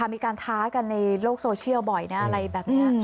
มีการท้ากันในโลกโซเชียลบ่อยอะไรแบบนี้